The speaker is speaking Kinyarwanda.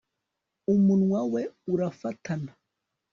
umunwa we urafatana